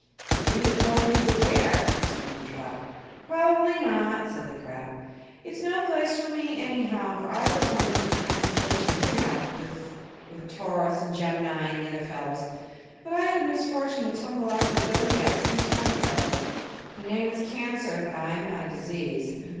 "We didn't know you were here," explained Trot. "Probably not," said the crab. "It's no place for me, anyhow, for I belong in the Constellations, you know, with Taurus and Gemini and the other fellows. But I had the misfortune to tumble out of the Zodiac some time ago. My name is Cancer but I'm not a disease.